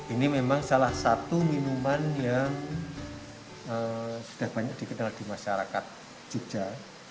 ini memang salah satu minuman yang sudah banyak dikenal di masyarakat jogja